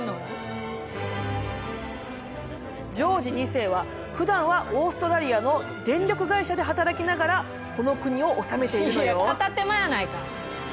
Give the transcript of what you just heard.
ジョージ２世はふだんはオーストラリアの電力会社で働きながらこの国を治めているのよ。